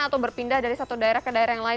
atau berpindah dari satu daerah ke daerah yang lain